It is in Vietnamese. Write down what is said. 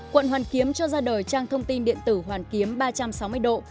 quận hoàn kiếm cho ra đời trang thông tin điện tử hoàn kiếm ba trăm sáu mươi độ